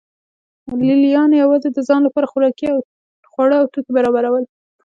لې لیانو یوازې د ځان لپاره خواړه او توکي برابرول